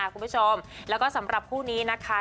คุณผู้ชมแล้วก็สำหรับคู่นี้นะคะ